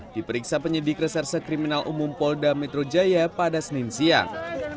diperiksa penyidik reserse kriminal umum polda metro jaya pada senin siang